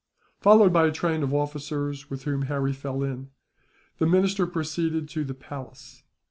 Followed by a train of officers, with whom Harry fell in, the minister proceeded to the palace.